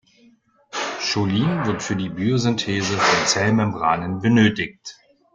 Cholin wird für die Biosynthese von Zellmembranen benötigt.